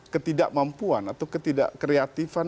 ketidakmampuan atau ketidak kreatifan